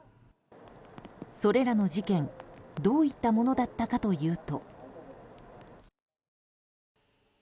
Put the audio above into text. それらの事件どういったものだったかというと。